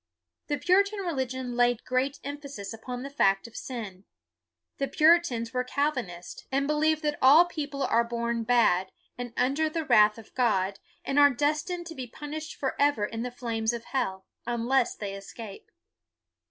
The Puritan religion laid great em phasis upon the fact of sin. The Puritans were Calvinists, and believed that all 257 258 BUNYAN people are born bad, and are under the wrath of God, and are destined to be punished forever in the flames of hell, un less they escape.